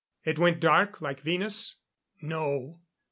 "It went dark, like Venus?" "No.